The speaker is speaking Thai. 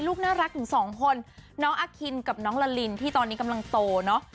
ลูกน่ารักถึงสองคนน้องอาคินกับน้องละลินที่ตอนนี้กำลังโตเนอะ